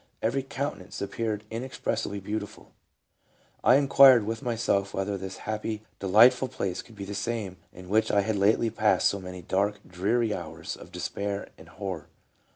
Every countenance appeared inexpressibly beautiful. ... I inquired with myself whether this happy, delight ful place could be the same in which I had lately passed so many dark, dreary hours of despair and horror."